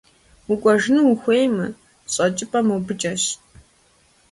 Укӏуэжыну ухуеймэ, щӏэкӏыпӏэр мобыкӏэщ.